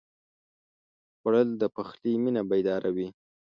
خوړل د پخلي مېنه بیداروي